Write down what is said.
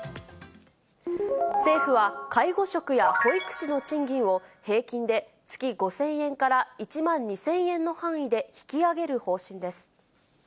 政府は、介護職や保育士の賃金を、平均で月５０００円から１万２０００円の範囲で引き上げる方針です。